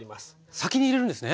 先に入れるんですね。